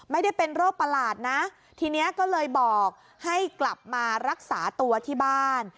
ไม่ได้เป็นโรคประหลาดนะทีนี้ก็เลยบอกให้กลับมารักษาตัวที่บ้าน